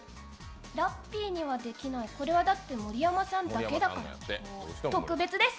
ラッピーにはできないこれはだって盛山さんだけだから特別です。